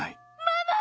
ママ！